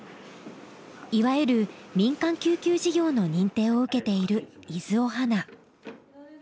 いわゆる民間救急事業の認定を受けている伊豆おはな。